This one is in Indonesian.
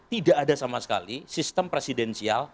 tidak ada sama sekali sistem presidensial